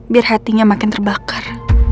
biar hatinya makin terbakar